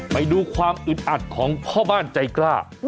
ไปดูความอึดอัดของพ่อบ้านใจกล้า